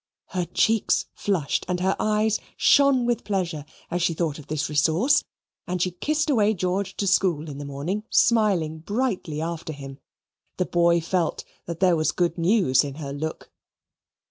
Her cheeks flushed and her eyes shone with pleasure as she thought of this resource, and she kissed away George to school in the morning, smiling brightly after him. The boy felt that there was good news in her look.